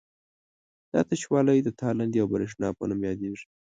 دا تشوالی د تالندې او برېښنا په نوم یادیږي.